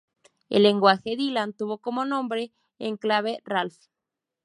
El lenguaje Dylan tuvo como nombre en clave ‘Ralph’.